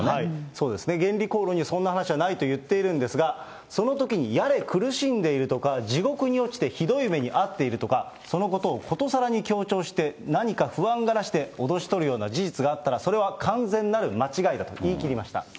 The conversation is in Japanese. そうですね、原理講論にそんな話はないと言っているんですが、そのときに、やれ苦しんでいるとか、地獄に落ちてひどい目に遭っているとか、そのことをことさらに強調して、何か不安がらせて脅し取るような事実があったら、それは完全なる間違いだと言い切りました。